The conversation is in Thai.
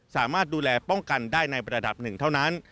สามารถดูแลป้องกันได้ในระดับหนึ่งเท่านั้น